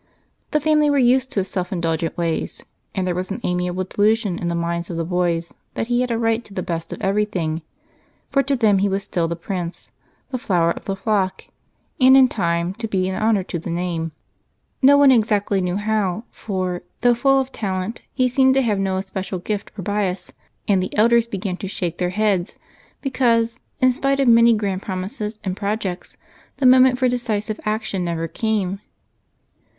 The family was used to his self indulgent ways, and there was an amiable delusion in the minds of the boys that he had a right to the best of everything, for to them he was still the Prince, the flower of the flock, and in time to be an honor to the name. No one exactly knew how, for, though full of talent, he seemed to have no especial gift or bias, and the elders began to shake their heads because, in spite of many grand promises and projects, the moment for decisive action never came.